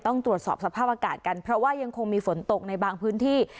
ต้องตรวจสอบสภาพอากาศกันเพราะว่ายังคงมีฝนตกในบางพื้นที่